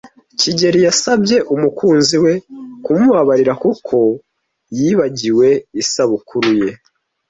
kigeli yasabye umukunzi we kumubabarira kuko yibagiwe isabukuru ye.